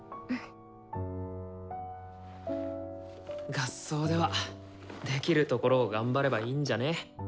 合奏ではできるところを頑張ればいいんじゃね？